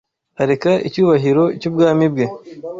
areka icyubahiro cy’ubwami bwe